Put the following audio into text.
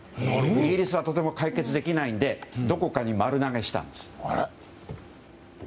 イギリスはとても解決できないのでどこかに丸投げしたんです。